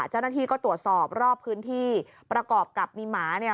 เจ้าหน้าที่ก็ตรวจสอบรอบพื้นที่ประกอบกับมีหมาเนี่ย